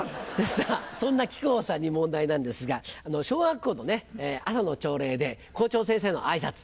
さぁそんな木久扇さんに問題なんですが小学校の朝の朝礼で校長先生のあいさつ。